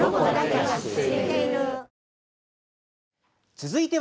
続いては。